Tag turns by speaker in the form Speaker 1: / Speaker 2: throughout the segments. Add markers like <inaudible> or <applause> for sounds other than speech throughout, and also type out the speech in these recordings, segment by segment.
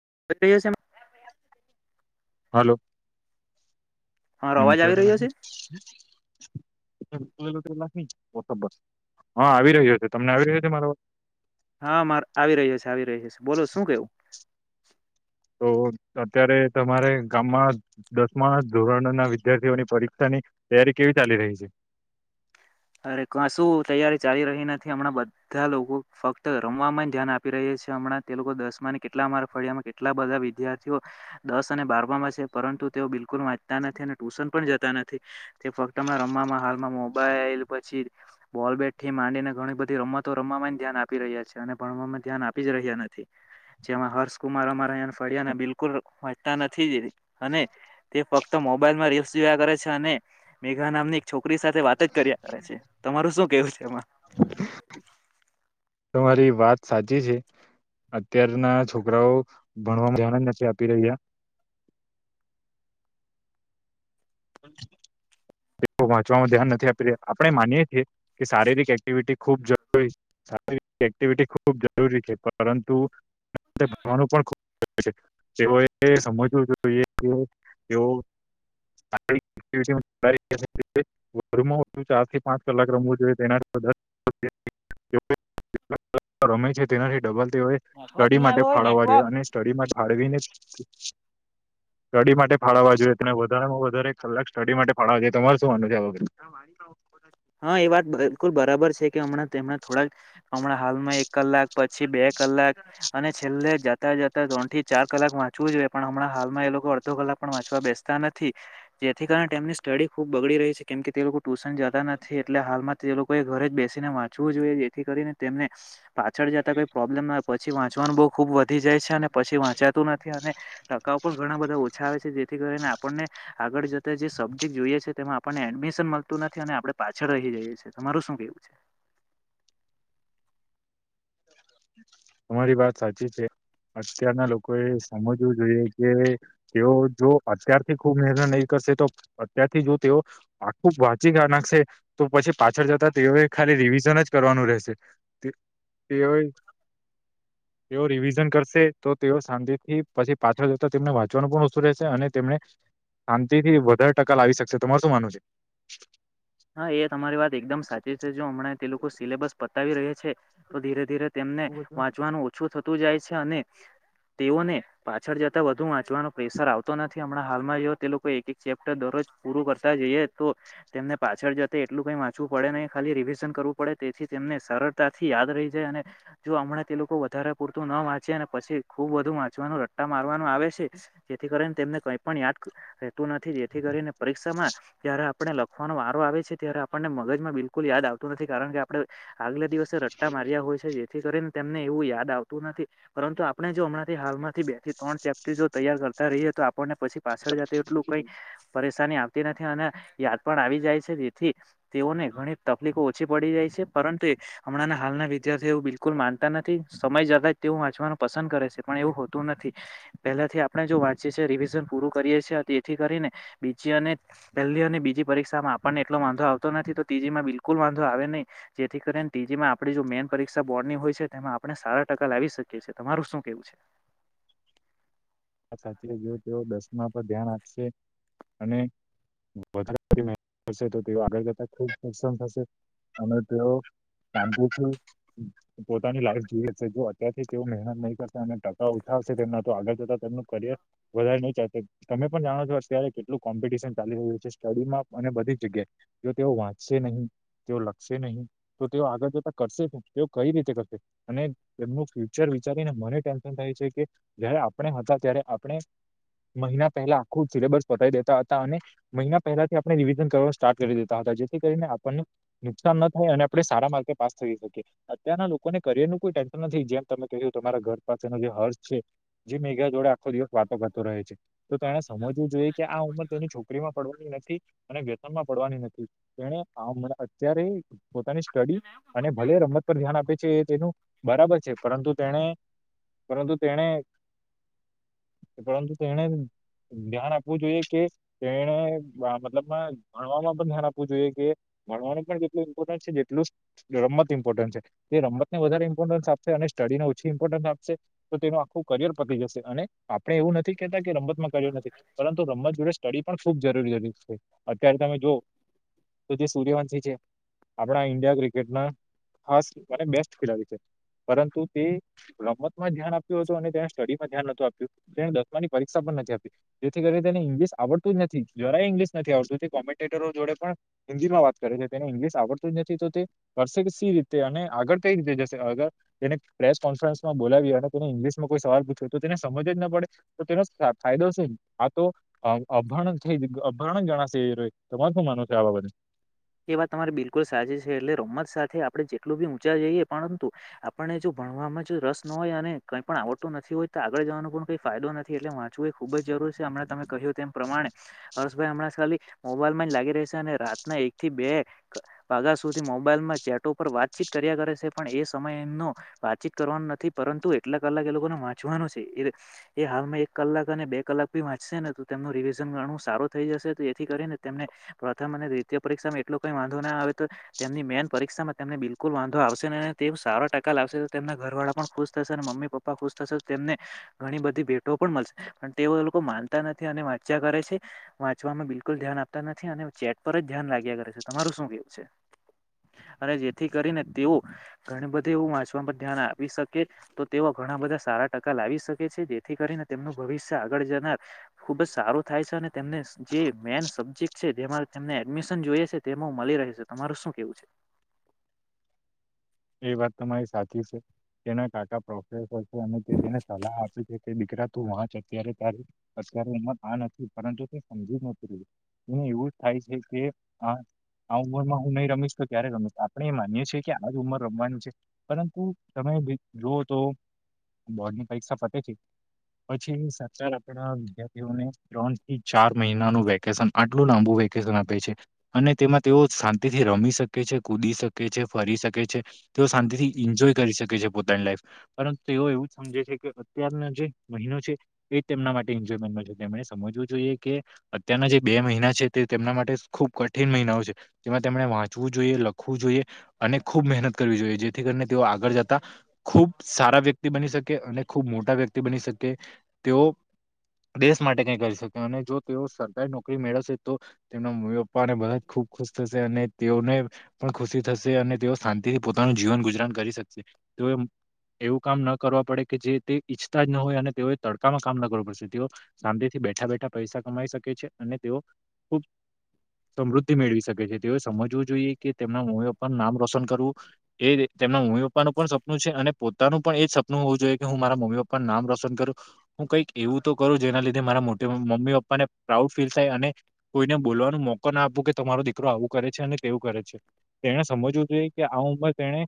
Speaker 1: <unintelligible>
Speaker 2: હાલો.
Speaker 1: મારો
Speaker 2: એમ
Speaker 1: અવાજ
Speaker 2: કર
Speaker 1: આવી
Speaker 2: દલા
Speaker 1: રહ્યો છે
Speaker 2: હા આવી રહ્યો છે તમને આવી રહ્યો છે મારો
Speaker 1: હા મારે આવી રહ્યો છે આવી રહ્યો છે બોલો શું કેવું.
Speaker 2: તો અત્યારે તમારે ગામમાં દસમા ધોરણના વિદ્યાર્થીઓની પરીક્ષા ની તૈયારી કેવી ચાલી રહી છે.
Speaker 1: અરે કશું તૈયારી ચાલી રહી નથી હમણાં બધા લોકો ફક્ત રમવામાં ધ્યાન આપી રહ્યા છે છે હમણાં તે લોકો દસમાં ને કેટલા માર્ગ ફળ્યામાં કેટલા બધા વિદ્યાર્થીઓ દસ અને બારમાં છે પરંતુ તું તેઓ બિલકુલ વાંચતા નથી અને ટ્યુશન પણ જતા નથી તે ફક્ત હમણા રમવામાં હાલમાં મોબાઈલ પછી બોલ બેટ થી માંડીને ઘણી બધી રમતો રમ ધ્યાન આપી રહ્યા છે અને ભણ ધ્યાન આપી જ રહ્યા નથી જેમાં હર્ષકુમાર અમાને ફળ્યા બિલકુલ વાતા નથી જ અને તે ફક્ત મોબાઈલ માં રીલ્સ જોયા કરે છે અને મેઘા નામની એક છોકરી સાથે વાત જ કરી છે તમારું શું કેવું છે એમાં
Speaker 2: તમારી વાત સાચી છે અત્યારના છોકરાઓ ભણવાવામાં ધ્યાન જ નથી આપી રહ્યા <inaudible> દો ચવાનું ધ્યાન નથી આપી આપણે માની છીએ કે શારીરિક એક્ટિવિટી ખૂબ જરૂરી છે. એક્ટિવિટી ખૂબ જરૂરી છે પરંતુ પણ તેઓએ સમજવું જોઈએ કે તેઓ <inaudible> વધુમાં વધુ ચાર થી પાંચ કલાક રમવું જોઈએ તેનાથી રમે છે તેનાથી ડબલ તેઓ
Speaker 1: નેટવર્ક
Speaker 2: સ્ટડી
Speaker 1: નહી
Speaker 2: માટે
Speaker 1: આવ્યો હોય
Speaker 2: ફાળવવા જોઈએ
Speaker 1: નેટવર્ક
Speaker 2: અને સ્ટડી માટે ફાળવીને કડી માટે ફાળવવા જોઈએ તેને વધારેમાં વધારે એક કલાક સ્ટડી માટે ફાળવવા જોઈએ તો તમારે શું માનનું છે આ વગ
Speaker 1: હા એ વાત બિલકુલ બરાબર છે કે હમણાં થોડાક હમણાં હાલમાં એક કલાક પછી બે કલાક અને છેલ્લે જતા જતા ત્રણ થી ચાર કલાક વાંચ જવે પણ હમણાં હાલમાં એ લોકો અડધો કલાક પણ વાંચવા બેસતા નથી જેથી કારણે તેમની સ્ટડી ખૂબ બગડી રહી છે કેમ કે તે લોકો ટુશન જતા નથી એટલે હાલમાં તે લોકોએ ઘરે જ બેસીને વાંચવું જોઈએ જેથી કરીને તેમને પાછળ જતા કઈ પ્રોબ્લેમ ના હોય પછી વાંચવાનું બહુ ખુબ વધી જાય છે અને પછી વાંચાતું નથી અને ટકાવુ ઘણા બધા ઓછા આવે છે જેથી કરીને આપણને આગળ જે સબ્જેક્ટ જોઈએ છે તેમાં આપણને એડમિશન મળતું નથી અને આપણે પાછળ રહી જઈએ છે તમારું શું કેવું છે
Speaker 2: તમારી વાત સાચી છે અત્યારના લોકોએ સમજવું જોઈએ કે તેઓ જો અત્યારથી ખુબ મહેનત નહીં કરે તો અત્યારથી જો તેઓ આખું વાંચી નાખશે તો પછી પાછળ જતા તેઓ ખાલી રિવિઝન જ કરવાનું રહેશે તેઓએ તેઓ રિવિઝન કરશે તો તેઓ શાંતિથી પછી પાછળ જતા તેમને વાંચવાનું પણ ઓછું રહેશે અને તેમને શાંતિ થી વધારે ટકા લાવી શકશે તમાર શું માનું છે
Speaker 1: હા એ તમારી વાત એકદમ સાચી છે જો હમણાં તે લોકો સિલેબસ પતાવી રહ્યા છે તો ધીરે ધીરે તેમને વાંચવાનું ઓછું થતું જાય છે અને તેઓને પાછળ જતા વધુ વાંચવાનો પ્રેશર આવતો નથી હમણાં હાલમાં જો તે લોકો એક એક ચેપ્ટર દરજ પૂરું કરતા જઈએ તો તેમને પાછળ જતે એટલું કઈ વાંચવું પડે નહી ખાલી રિવિઝન કરવું પડે તેથી તેમને સરળતાથી યાદ રહી જાય અને જો હમણાં તે લોકો વધારે પૂરતું ન વાંચે અને પછી ખુબ વધુ વાંચવાનું રટ્ટા મારવાનું આવે છે જેથી કરીને તેમને કઈ પણ યાદ રહેતું નથી જેથી કરીને પરીક્ષામાં જ્યારે આપણે લખ વારો આવે છે ત્યારે આપણને મગજમાં બિલકુલ યાદ આવતું નથી કારણ કે આપણે આગલા દિવસ રટ્ટા માર્યા હોય છે જેથી કરીને તેમને એવું યાદ આવતું નથી પરંતુ આપણે જો હમણાંથી હાલમાંથી બે થી ત્રણ ચેપ્ટર જો તૈયાર કરતા રહીએ તો ને પછી પાછળ જ એટલું કઈ પરેશાની આવતી નથી અનેયા પણ આવી જાય છે તેથી તેઓને ઘણી તકલીફો ઓછી પડી જાય છે પરંતુ હમણાંના હાલના વિધાર્થી એવું બિલકુલ માનતા નથી સમય જતા જ તેું વાંચવાનું પસંદ કરે છે પણ એવું હોતું નથી પહેલા થી આપણે જો વાંચી છીએ રિવિઝન પૂર કરીએ છીએ તેથી કરીને બીજી અને પહેલી અને બીજી પરીક્ષામાં આપણને એટલો વાંધો આવતો નથી તો તીજીમાં બિલકુલ વાંધો આવે નહી જેથી કરીને તીજી માં આપ જો મેન પરીક્ષા બોર્ડ ની હોય છે તેમાં આપણે સારા ટકા લાવી શકીએ છીએ તમારું શું કેવું છે
Speaker 2: અચ્છા, તેઓ <unintelligible> તેઓ દસમા પર ધ્યાન આપશે અને વધારે મેહનત કરશે તો તેઓ આગળ કરતા ખુબ પ્રસન થશે અને તેઓ શાંતિથી પોતાની લાઈફ જીવી અગશે. જો અત્યારથી તેઓ મહેનત નઈ કરતા અને ટકા ઓછા હશે. તેમના તો આગળ જતા તેમનું કરીયર વધારે નઈ ચાલતું. તમે પણ જાણો છો અત્યારે કેટલું કોમ્પિટિશન ચાલી રહ્યું છે. સ્ટડીમાં ને બધી જગ્યાએ, જો તેઓ વાંચશે નહીં તેઓ લખ સે નહી, તો તેઓ આગળ જતા કરશે હુ? તેઓ કઈ રીતે કરશે. અને એમનુ ફ્યુચર વિચારીને મને ટેન્શન થાય છે, કે જયારે આપણે હતા ત્યારે આપણે મહિના પહેલા આખું સિલેબસ પતાવી દેતા હતા. અને મહિના પહેલાથી આપણે રિવિઝન કરવા સ્ટાર્ટ કરી દેતા હતા. જેથી કરીને આપણને નુકસાન ન થાય અને આપડે સારા માર્કે પાસ થઈ શકીએ. અત્યારના લોકોને કરિયરનું કોઈ ટેન્શન નથી. જેમ તમે કહ્યુ તમારા ઘર પાસેનો જે હર્ષ છે. જી મેગા જોડા આખો દિવસ વાતો કરતો રહે છે. તો તેણે સમજવું જોઈએ કે આ ઉંમર તેની છોકરીમાં પડવાની નથી. અને પ્રેમમાં પડવાની નથી. એને આ ઉંમરે અત્યારે પોતાની સ્ટડી અને ભલે રમત પર ધ્યાન આપે છે એ તેનું બરાબર છે. પરંતુ તેણે પરંતુ તેણે, પરંતુ તેણે ધ્યાન આપવું જોઈએ કે તેણે બા મતલબમાં ભણવામાં પણ ધ્યાન આપવું જોઈએ કે ભણવાનું પણ જેટલું ઇમ્પોર્ટન્ટ છે જેટલું જ રમત ઇમ્પોર્ટન્ટ છે. તે રમતને વધારે ઇમ્પોર્ટન્સ આપશે અને સ્ સ્ટડીના ઓછી ઇમ્પોર્ટન આપશે તો તેનું આખું કરિયર પડી જશે. અને આ આપણે એવું નથી કેતા કે રમતમાં કરિયર નથી, પરંતુ રમત જોડે સ્ટડી પણ ખૂબ જરૂરી હતી. અત્યારે તમે જુઓ તો જે સૂર્યવંશિ છે. આપણા ઇન્ડિયા ક્રિકેટના ખાસ અને બેસ્ટ ખીલાડી છે. પરંતુ તે રમતમાં ધ્યાન આપ્યું હ તો અને તેણે સ્ટડીમાં ધ્યાન નતું આપ્યું. તેણ દસમાની પરીક્ષા પણ નથી આપી. જેથી કરી તેને ઈંગ્લિશ આવડતું જ નથી. જરા ઇંગ્લિશ નથી આવડતું. તે કોમેન્ટેટરો જોડે પણ હિન્દીમાં વાત કરે છે. તેને ઇંગ્લિશ આવડતું જ નથી તો તે કરશે કે સી રીતે અને આગળ કઈ રીતે જસે? અગર તેને પ્રેસ કોન્ફરન્સમાં બોલાવી અને તેને ઇંગ્લિશ નો કોઈ સવાલ પૂછે તો તેને સમજ જ ન પડે. તો તેનો અ ફાયદો શુ? આ તો અમ અ -અભણ થઈ વિગ અભણ જ ગણાશે એ રો એ. તમાર શું માનવું છે આ બાબતે?
Speaker 1: એ વાત તમારી બિલકુલ સાચી છે. એટલે રમત સાથે આપણે. જેટલું બી ઊંચા જઈએ પરંતુ આપણને જો ભણવામાં જ રસ ન હોય અને કંઈ પણ આવડતું નથી હોય, તો આગળ જવાનો પણ કંઈ ફાયદો નથી. એટલે વાંચવું એ ખૂબ જ ખુલશે અમણાં તમે કહ્યું તેમ પ્રમાણે, હર્ષભાઈ હમણાં જ ખાલી મોબાઈલમાં લાગી રે શે અને રાતના એક થી બે વાગા સુધી મોબાઈલમાં ચેટો પર વાતચીત કર્યા કરે છે પણ એ સમય એમનો વાતચીત કરવાનું નથી. પરંતુ એટલા કલાક એ લોકોને વાંચવાનું છે એરે એ હાલમાં એક કલાક અને બે કલા લાક બી વાંચશેને તો તેમનુ રીવીઝન ઘણું સારુ થઈ જશે. તેથી કરીને તેમને પ્રથમ અને દ્રિતીય પરીક્ષામાં એટલો કઈ વાંધો ના આવે. તો તેમની મેન પરીક્ષામાં તેમને બિલકુલ વાંધો આવશે ને. તેવ સારા ટકા લાવ અશે તો તેમના ઘરવાળા પણ ખુશ થશે ને મમ્મી-પપ્પા ખુશ થશે. તો તેમને ઘણી બધી ભેટો પણ મલશે. અન તે એવુ એ લોકો માનતા નથી અને વાચ્યા કરે છે. વાંચવામાં બિલકુલ ધ્યાન આપતા નથી અને ચેટ પર જ ધ્યાન રાખ્યા કરે છે. તમારું શું કેવું છે? અને જેથી કરીને તેઓ ઘણુ બધુ એવું વાંચવા પર ધ્યાન આપી શકે તો તેઓ ઘણા બધા સારા ટકા લાવી શકે છે. જેથી કરીને તેમનું ભવિષ્ય આગળ જનાર ખુબ જ સારું થાય છે. ને તેમને જે મેન સબ્જેક્ટ છે જેમાં તેમને મિશન જોઈએ છે તેમો મલી રહે છે. તમારુ શું કેવું છે?
Speaker 2: એ વાત તમારી સાચી છે. તેના કાકા પ્રોફસર છે, અને તે તેને સલાહ આપે છે કે દીકરા તું વાંચ અત્યારે તારી તારી ઉંમર આ નથી, પરંતુ તું સમજીને <inaudible> એને એવું જ થાય છે કે આ આ ઉંમરમાં હું નઈ રમીશ તો ક્યારે રમીશ. આપણે માનીએ છીએ કે આ જ ઉંમર રમવાનું છે. પરંતુ તમે બી જુઓ તો બોર્ડની પરીક્ષા પતે છે પછી સાચન આપડા વિદ્યાર્થીઓને ત્રણ થી ચાર મહિનાનું વેકેશન આટલું લાંબુ વકેશન આપે છે. અને તેમાં તેઓ શાંતિથી રમી શકે છે, કૂદી શકે, છે ફરી શકે છે. તેઓ શાંતિથી ઇન્જોય કરી શકે છે પોતાની લાઈફ. પરંતુ તેઓ એવું જ સમજે છે કે અત્યારના જે મહિનો છે એ જ તેમના માટે ઇન્જોયમેન્ટનો છે. તેમણે સમજવું જોઈએ કે અત્યારના જે બે મહિના છે તે તેમના માટે, ખૂબ કઠિન મહિનાઓ છે. જેમા તેમણે વાંચવું જોઈએ લખવું જોઈએ અને ખૂબ મહેનત કરવી જોઈએ, જેથી કરીને તેઓ આગળ જતા ખૂબ સારા વ્યક્તિ, બની શકે અને ખૂબ મોટા વ્યક્તિ બની શકે. કે તેઓ દેશ માટે કઈ, કરી શકે અને જો તેઓ સરકારી નોકરી મેળવશે, તો તેમના મમ્મી પપ્પાને બધા ખુશ. ખુશ, થશે અને તેઓને પણ ખુશી થશે અને તેઓ શાંતિ તેથી પોતાનુ જીવન ગુજરાન, કરી શકશે તો એવું કામ ન કરવા પડે કે જે તે ઈચ્છતા જ ન હોય, અને તેઓએ તડકામાં કામ ના કરવું પડશે, તેઓ શાંતિથી. બેઠા બેઠા પૈસા કમાઈ શકે છે, અને તેઓ ખૂબ સમૃદ્ધિ મેળવી શકે છે, તેઓએ સમજવું જોઈએ કે તેમના મો પર નામ રોશન કરવું. એ તેમના મમ્મી પપ્પાનું પણ સપનું છે, અને પોતાનું પણ એજ સપનું હોવું જોઈએ, કે હું મારા મમ્મી પપ્પા નામ રોશન કર્યું હુ કઈક એવુ, તો કરુ, જેના લીધે મારા મમ્મી પપ્પાને પ્રાઉડ ફીલ થાય કોઈને બોલવાનો મોકો ના આપવું કે તમારો દીકરો આવું કરે છે, અને તેવું કરે છે, તેણે સમજવું જોઈએ કે, આવુંમાં તેને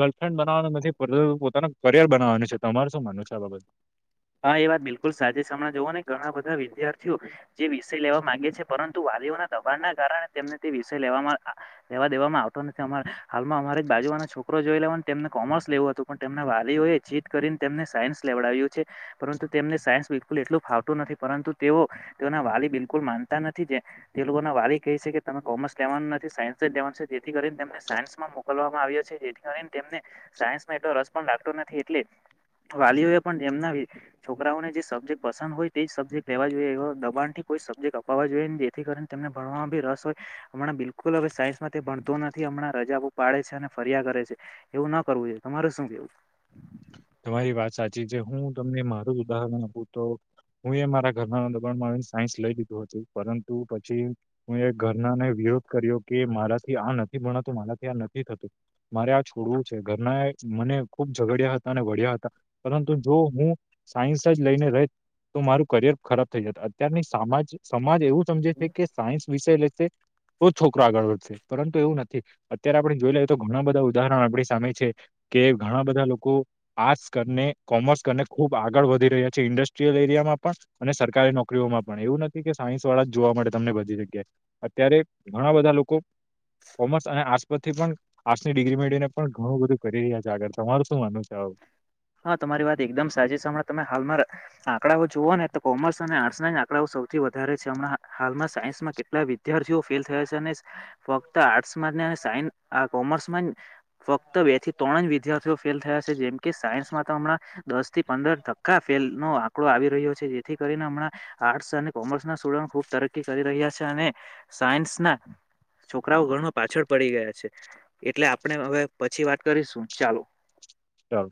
Speaker 2: ગર્લફ્રેન્ડ બનાવવાનું નથી પરુ પોતાનું કરિયર બનાવવાનું છે, તમાર શું માનું છે, આ બાબત
Speaker 1: હા, એ વાત બિલકુલ સાજે સમણાં જવ ને ઘણા બધા વિદ્યાર્થીઓ જે વિષય લેવા માંગે છે, પરંતુ વાલીઓના દબાણના, કારણે તેમને તે વિષય લેવામાં લેવા દેવામા આવતો નથી, હાલમાં અમારી બાજુ છોકરો જોઈ લેવા તેમને કોમર્સ લેવું હતું પણ તેમના વાલીઓ એ જીત કરીને તેમને સાયન્સ લેવડાવ્યું છે. પરંતુ તેમને સાયન્સ બિલકુલ એટલું ફાવટું નથી, પરંતુ તેઓ તેના વાલી બિલકુલ માનતા નથી, જે તે લોકો ના વાલી કહે છે કે તમે કોમર્સ લેવાનું નથી સાયન્સ જ લેવાનું છે જેથી કરીને તને સાયન્સમાં મોકલવામાં આવે. મળ્યો છે, જેથી કરીને તેમને સાયન્સમાં એટલો રસ પણ રાખતો નથી, એટલે વાલીઓએ પણ તેમના છોકરાઓને જે સબ્જેક્ટ પસંદ હોય તે જ સબ્જેક લેવા જોઈએ એવા દબાણથી કોઈ સબ્જેક્ટ અપવા જોઈએ ની જેથી કરીને ભણવામાં બી રસ હોય હમણા બિલકુલ હવે સાયન્સમાં ભણતો નથી હમણાં રજાઓ પાડે છે, અને ફ રીયા કરે છે, એવું ના કરવું જોઈએ તમારે શું કેવું?
Speaker 2: તમારી વાત સાચી છે, હું તમને મારું જ ઉદાહરણ આપું તો હું એ મારા ઘરના દબણમાં આવીને સાયન્સ લઈ દીધું હતું પરંતુ પછી હું એ ઘરનાને વિરોધ કર્યો કે મારાથી આ નથી ભણાતું મારાથી આ નથી થતું મારે આ છોડવું છે, ઘરનાએ મને ખૂબ ઝગડ્યા હતા અને વળ્યા હતા પરંતુ જો હું સાયન્સ જ લઈને રેત તો મારું કરિયર ખરાબ થઈ જતે અત્યારની સામાજ સમાજ એવું સમજે છે, કે સાયન્સ વિષય લેશે તો છોકરો આગળ વધશે પરંતુ એવું નથી અત્યારે આપણે જોઈ લઈએ તો ઘણા બધા ઉદાહરણો આપણી સામે છે. કે ઘણા બધા લોકો આર્ટસ કરીને કોમર્સ કરને ખુબ આગળ વધી રહ્યા છે, ઇન્ડસ્ટ્રીયલ એરિયામાં પણ અને સરકારી નો કરીઓમાં પણ એવું નથી કે સાયન્સ વાળા જ જોવા મળે તમને બધી જગ્યાએ અત્યારે ઘણા બધા લોકો કોમર્સ અને આર્ટસ પરથી પણ આર્ટસની ડિગ્રી મેળને પણ ઘણું બધું કરી રહ્યા છે, આગળ તમારું શું માનવું છે‌? <inaudible>
Speaker 1: હા તમારી વાત એકદમ સાચી છે, હમણાં તમે હાલમા આંકડાઓ જુઓ ને તો કોમર્સ અને આર્ટસના જ આંકડા ઓ સૌથી વધારે છે, હમણાં હાલમાં સાયન્સમાં કેટલા વિદ્યાર્થીઓ ફેલ થયા છે, અને ફક્ત આર્ટસમાં ને સાયન્સ આ કોમર્સમાં જ ફક્ત બે થી ત્રણ જ વિદ્યાર્થીઓ ફેલ થયા છે, જેમ કે સાયન્સમાં તો હમણાં દસથી પંદર ટક્કા ફેલ નો આંકડો આવી રહ્યો છે, જેથી કરીને હમણાં આર્ટસ અને કોમર્સના સ્ટુડન્ટ ખૂબ તરક્કી કરી રહ્યા છે, અને સાયન્સના. છોકરાઓ ઘણુ પાછળ પડી ગયા છે, એટલે આપણે હવે પછી વાત કરીશું ચાલો‌
Speaker 2: ચાલ.